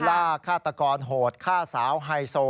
ฆาตกรโหดฆ่าสาวไฮโซ